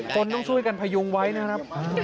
คนต้องช่วยกันพยุงไว้นะครับ